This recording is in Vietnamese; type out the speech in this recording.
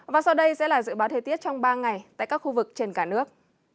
và sau đây sẽ là dự báo thời tiết trong ba ngày tại các khu vực trên cả nước